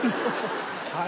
はい。